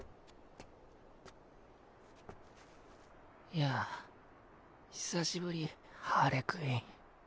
やあ久しぶりハーレクイン。